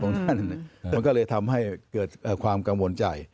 ท่านมันก็เลยทำให้เกิดความกังวลใจ